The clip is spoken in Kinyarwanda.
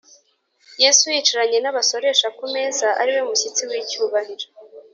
yesu yicaranye n’abasoresha ku meza ari we mushyitsi w’icyubahiro,